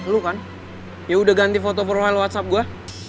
lu kan ya udah ganti foto profile whatsapp gue